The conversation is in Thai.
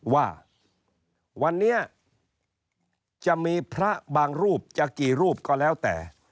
ว่าวันนี้จะมีพระบางรูปจะกี่รูปก็แล้วแต่